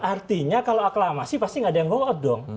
artinya kalau aklamasi pasti nggak ada yang ngomong dong